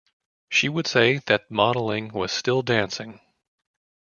She would say that modeling was "still dancing".